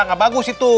gak bagus itu